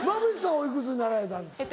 おいくつになられたんですか？